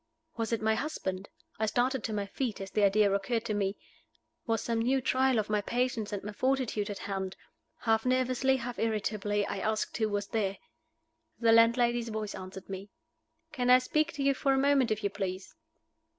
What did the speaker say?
Was it my husband? I started to my feet as the idea occurred to me. Was some new trial of my patience and my fortitude at hand? Half nervously, half irritably, I asked who was there. The landlady's voice answered me. "Can I speak to you for a moment, if you please?"